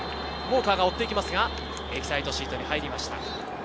ウォーカーが追っていきますが、エキサイトシートに入りました。